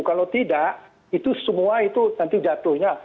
kalau tidak itu semua itu nanti jatuhnya